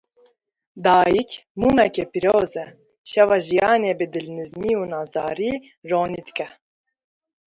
Dayîk mûmeke pîroz e, şeva jiyanê bi dilnizmî û nazdarî ronî dike.